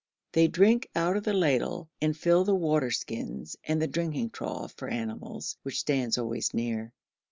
They drink out of the ladle, and fill the water skins and the drinking trough for animals, which stands always near.